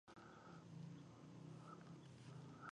آزاد تجارت مهم دی ځکه چې صادرات لوړوي افغاني.